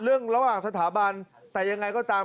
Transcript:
ระหว่างสถาบันแต่ยังไงก็ตาม